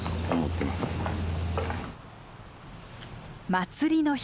祭りの日。